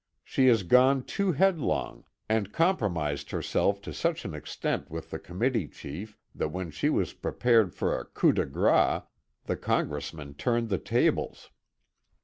She has gone too headlong, and compromised herself to such an extent with the committee chief, that when she was prepared for a coup de grace, the congressman turned the tables.